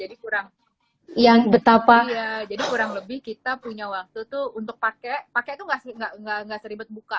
iya jadi kurang lebih kita punya waktu tuh untuk pakai pakai itu tidak seribet buka